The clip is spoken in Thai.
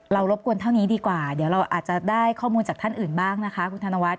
รบกวนเท่านี้ดีกว่าเดี๋ยวเราอาจจะได้ข้อมูลจากท่านอื่นบ้างนะคะคุณธนวัฒ